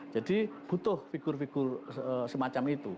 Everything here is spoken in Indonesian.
jadi butuh figur figur semacam itu